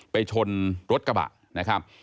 ไปชนรถกระบะ